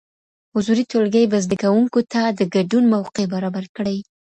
حضوري ټولګي به زده کوونکو ته د ګډون موقع برابر کړي.